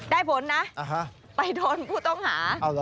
ผลนะไปโดนผู้ต้องหา